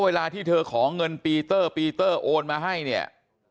เวลาที่เธอขอเงินปีเตอร์ปีเตอร์โอนมาให้เนี่ย